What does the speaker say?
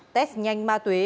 tết nhanh ma tuế